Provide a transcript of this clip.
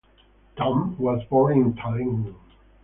Tamm was born in Tallinn.